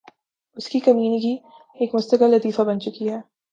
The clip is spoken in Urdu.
اس کی کمینگی ایک مستقل لطیفہ بن چکی ہے